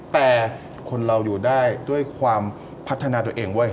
แต่คนเราอยู่ได้ด้วยความพัฒนาตัวเองเว้ย